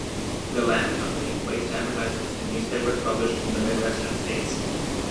The land company placed advertisements in newspapers published in the Midwestern states.